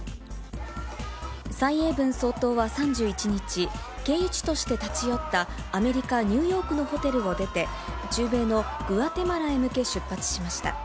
蔡英文総統は３１日、経由地として立ち寄ったアメリカ・ニューヨークのホテルを出て、中米のグアテマラへ向け、出発しました。